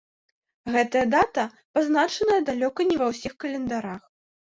Гэтая дата пазначаная далёка не ва ўсіх календарах.